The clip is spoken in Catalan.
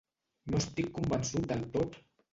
No estic convençut del tot!